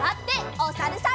おさるさん。